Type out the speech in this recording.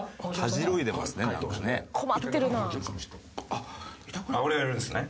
あっ俺がやるんですね。